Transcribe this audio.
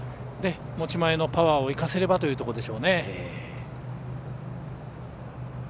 持ち前のパワーを生かせればというところでしょうね。